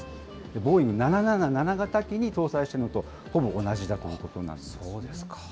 ボーイング７７７型機に搭載しているのとほぼ同じだということなんです。